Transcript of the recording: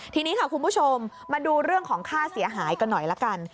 ทีนี้ค่ะคุณผู้ชมมาดูเรื่องของค่าเสียหายกันหน่อยละกัน